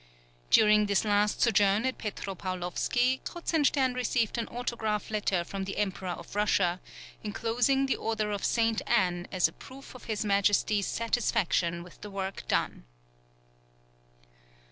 During this last sojourn at Petropaulovsky, Kruzenstern received an autograph letter from the Emperor of Russia, enclosing the order of St. Anne as a proof of his Majesty's satisfaction with the work done.